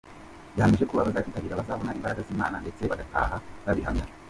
Yahamije ko abazacyitabira bazabona imbaraga z’Imana ndetse bagataha babihamya.